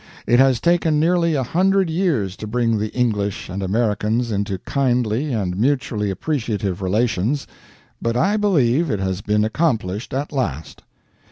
It has taken nearly a hundred years to bring the English and Americans into kindly and mutually appreciative relations, but I believe it has been accomplished at last.